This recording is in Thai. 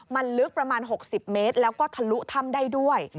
มันลึกประมาณ๖๐เมตรแล้วก็ทะลุถ้ำได้ด้วย